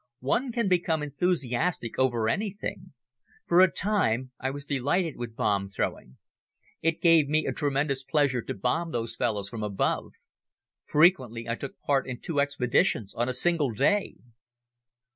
One can become enthusiastic over anything. For a time I was delighted with bomb throwing. It gave me a tremendous pleasure to bomb those fellows from above. Frequently I took part in two expeditions on a single day.